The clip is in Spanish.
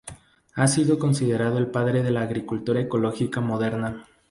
Ha sido considerado el padre de la agricultura ecológica moderna.